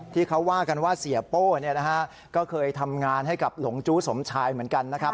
ที่เขาว่ากันว่าเสียโป้ก็เคยทำงานให้กับหลงจู้สมชายเหมือนกันนะครับ